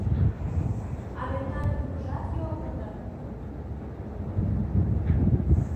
— А мемнан юмыжат йорло дыр?